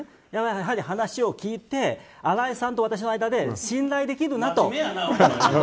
やはり話を聞いて新井さんと私の間で信頼できるなと。